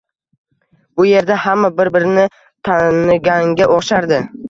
Bu erda hamma bir-biri bilan taniganga o`xshardi